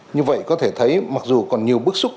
như vậy có thể thấy mặc dù còn nhiều bức xúc